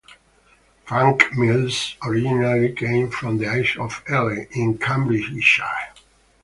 Frank Mills originally came from the Isle of Ely in Cambridgeshire.